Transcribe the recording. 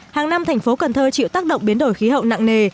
hàng năm thành phố cần thơ chịu tác động biến đổi khí hậu nặng nề